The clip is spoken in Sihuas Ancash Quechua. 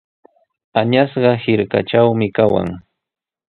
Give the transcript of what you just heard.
Añasqa hirkatraqmi kawan.